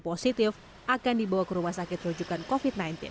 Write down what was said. positif akan dibawa ke rumah sakit rujukan covid sembilan belas